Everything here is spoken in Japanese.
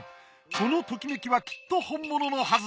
このときめきはきっと本物のはず。